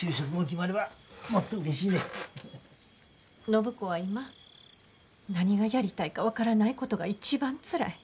暢子は今何がやりたいか分からないことが一番つらい。